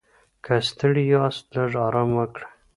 که ستړي یاست، لږ ارام وکړئ.